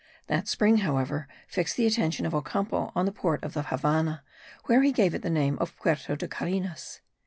That spring, however, fixed the attention of Ocampo on the port of the Havannah, where he gave it the name of Puerto de Carenas.